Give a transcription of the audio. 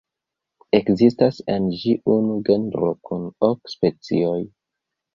Ekzistas en ĝi unu genro kun ok specioj.